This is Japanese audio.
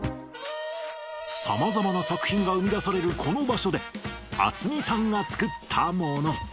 さまざまな作品が生み出されるこの場所で、渥美さんが作ったもの。